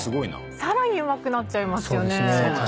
さらにうまくなっちゃいますよね。